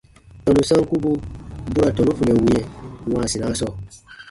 Tɔnu sankubu bu ra tɔnu funɛ wĩɛ wãasinaa sɔɔ.